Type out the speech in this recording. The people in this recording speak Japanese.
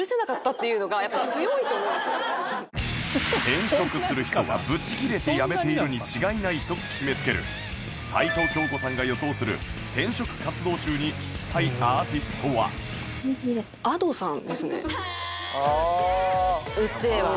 転職する人はブチギレて辞めているに違いないと決めつける齊藤京子さんが予想する転職活動中に聴きたいアーティストはっていった時に。